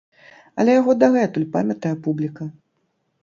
Але яго дагэтуль памятае публіка.